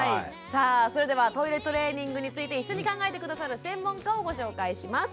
さあそれではトイレトレーニングについて一緒に考えて下さる専門家をご紹介します。